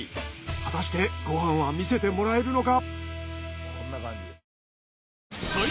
果たしてご飯は見せてもらえるのか？